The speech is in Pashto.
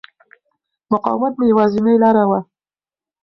مقاومت مې یوازینۍ لاره وه.